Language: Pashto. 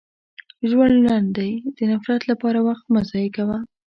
• ژوند لنډ دی، د نفرت لپاره وخت مه ضایع کوه.